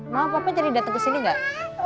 mama papa jadi dateng kesini gak